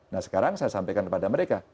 nah sekarang saya sampaikan kepada mereka